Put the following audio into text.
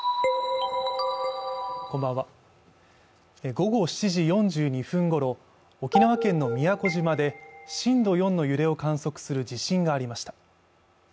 午後７時４２分ごろ沖縄県の宮古島で震度４の揺れを観測する地震がありました